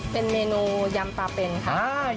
เป็นเมนูยำปลาเป็นค่ะ